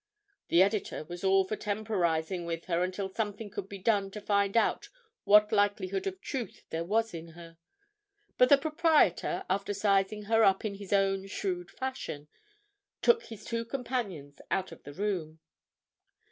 The editor was all for temporizing with her until something could be done to find out what likelihood of truth there was in her, but the proprietor, after sizing her up in his own shrewd fashion, took his two companions out of the room.